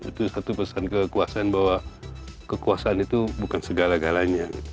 itu satu pesan kekuasaan bahwa kekuasaan itu bukan segala galanya